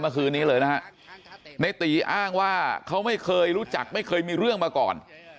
เมื่อคืนนี้เลยนะฮะในตีอ้างว่าเขาไม่เคยรู้จักไม่เคยมีเรื่องมาก่อน